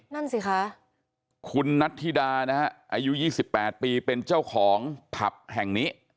นั่นสิคะคุณนัทธิดานะฮะอายุ๒๘ปีเป็นเจ้าของผับแห่งนี้